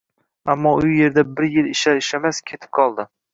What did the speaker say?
Ammo u erda bir yil ishlar-ishlamas, ketib qoldi